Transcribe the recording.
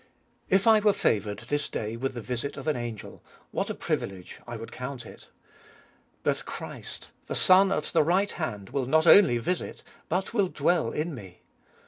3. If I were favoured this day with the visit of an angel— what a privilege I would count It. But Christ, the Son at the right hand, will not only visit, but will dwell In me.